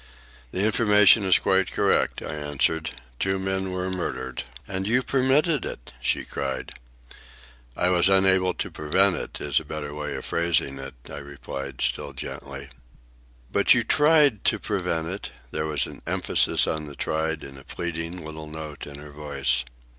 "The information is quite correct," I answered. "The two men were murdered." "And you permitted it!" she cried. "I was unable to prevent it, is a better way of phrasing it," I replied, still gently. "But you tried to prevent it?" There was an emphasis on the "tried," and a pleading little note in her voice.